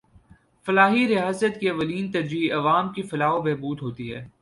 فلاحی ریاست کی اولین ترجیح عوام کی فلاح و بہبود ہوتی ہے۔